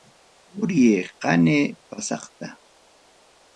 Uray qanay pasaqta.